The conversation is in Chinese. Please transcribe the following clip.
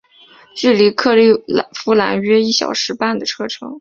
距离克利夫兰约一小时半的车程。